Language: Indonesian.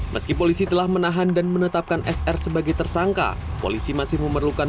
meski polisi telah menahan dan menetapkan sr sebagai tersangka polisi masih memerlukan